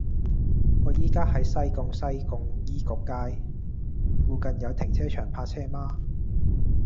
我依家喺西貢西貢醫局街，附近有停車場泊車嗎